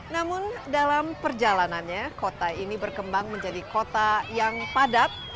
namun dalam perjalanannya kota ini berkembang menjadi kota yang padat